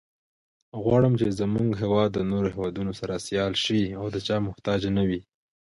چې په مدرسه كښې پاته سم سبقان مې شروع كم.